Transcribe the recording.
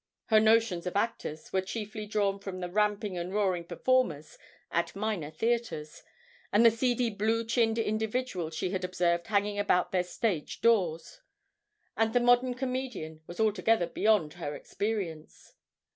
Her notions of actors were chiefly drawn from the ramping and roaring performers at minor theatres, and the seedy blue chinned individuals she had observed hanging about their stage doors; and the modern comedian was altogether beyond her experience.